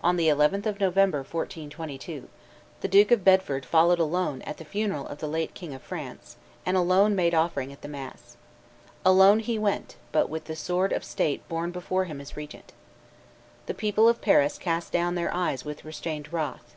On the 11th of November, 1422, the Duke of Bedford followed alone at the funeral of the late king of France, and alone made offering at the mass. Alone he went, but with the sword of state borne before him as regent. The people of Paris cast down their eyes with restrained wrath.